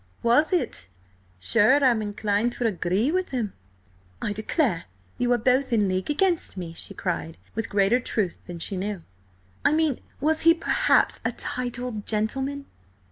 "Was it? Sure, I'm inclined to agree with him." "I declare you are both in league against me!" she cried, with greater truth than she knew. "I mean, was he perhaps a titled gentleman?"